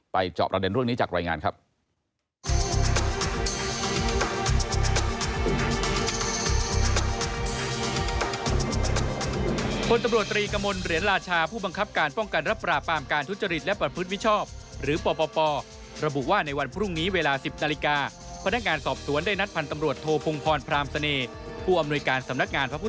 จอบประเด็นเรื่องนี้จากรายงานครับ